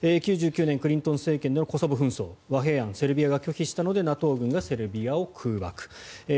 ９９年クリントン政権でのコソボ紛争和平案をセルビアが拒否したのでＮＡＴＯ軍がセルビアを空爆。